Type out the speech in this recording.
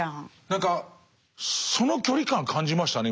何かその距離感感じましたね